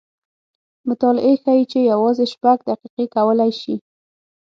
مطالعې ښیې چې یوازې شپږ دقیقې کولی شي